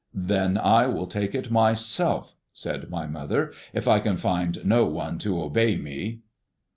"Then I will take it myself," said my mother, "if I can find no one to obey me."